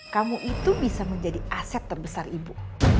kamu itu bisa menjadi aset terbesar ibu